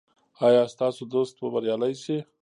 ایا ستاسو دوست به بریالی شي؟